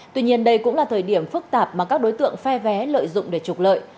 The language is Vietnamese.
tuy nhiên đây cũng là thời điểm phức tạp mà các đối tượng phe vé lợi dụng để trục lợi